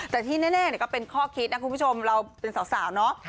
แต่ที่แน่ก็เป็นข้อคิดนะคุณผู้ชมเราเป็นสาวเนาะ